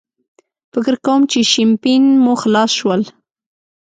فکر کوم چې شیمپین مو خلاص شول.